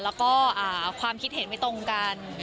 แล้วก็ความคิดเห็นไม่ตรงกัน